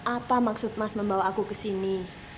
apa maksud mas membawa aku kesini